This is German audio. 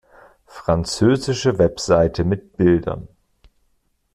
Französische Webseite mit Bildern.